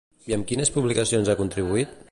I amb quines publicacions ha contribuït?